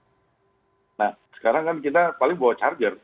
nah sekarang kan kita paling bawa charger